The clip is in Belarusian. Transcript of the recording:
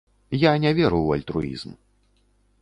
Я не веру ў альтруізм.